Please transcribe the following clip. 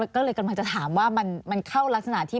ก็เลยกำลังจะถามว่ามันเข้ารักษณะที่